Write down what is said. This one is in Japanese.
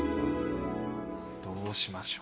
どうしましょう。